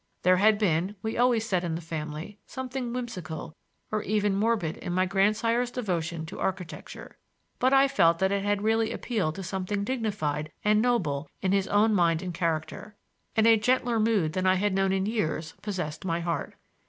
There had been, we always said in the family, something whimsical or even morbid in my grandsire's devotion to architecture; but I felt that it had really appealed to something dignified and noble in his own mind and character, and a gentler mood than I had known in years possessed my heart.